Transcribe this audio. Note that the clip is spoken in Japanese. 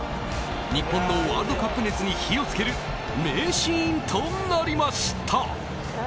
日本のワールドカップ熱に火を付ける名シーンとなりました。